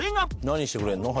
何してくれんの？